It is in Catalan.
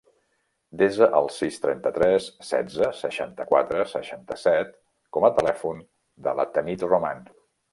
Desa el sis, trenta-tres, setze, seixanta-quatre, seixanta-set com a telèfon de la Tanit Roman.